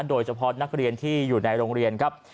โดยเฉพาะนักเรียนที่อยู่ในโรงเรียนครับ